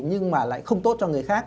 nhưng mà lại không tốt cho người khác